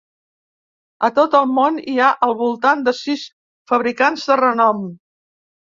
A tot el món hi ha al voltant de sis fabricants de renom.